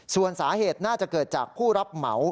ส่วนสาเหตุน่าจะเกิดจากผู้รับเหมา